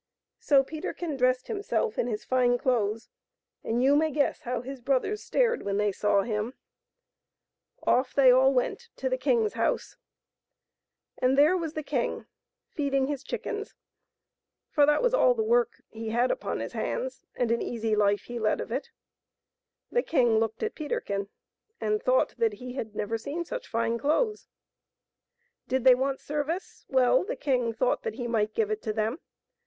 So Peterkin dressed himself in his fine clothes, and you may guess how his brothers stared when they saw him. l8o PETERKIN AND THE LITTLE GREY HARE Off they all went to the king's house, and there was the king feeding his chickens ; for that was all the work he had upon his hands, and an easy life he led of it. The king looked at Peterkin, and thought that he had never seen such fine clothes. Did they want service? Well, the king thought that he might give it to them.